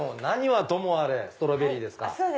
何はともあれストロベリーです。